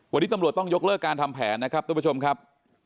วันนี้ตำรวจต้องยกเลิกการทำแผนนะครับทุกผู้ชมครับ